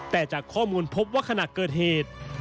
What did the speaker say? แต่จากข้อมูลพบว่าขณะเกิดเหตุ